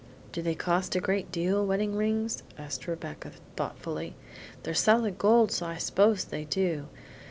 "Do they cost a great deal wedding rings?" asked Rebecca thoughtfully. "They're solid gold, so I s'pose they do.